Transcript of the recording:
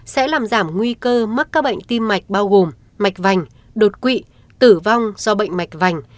sẽ làm giảm nguy cơ mắc các bệnh tim mạch bao gồm mạch vành đột quỵ tử vong do bệnh mạch vành